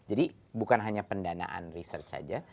jadi bukan hanya pendanaan research aja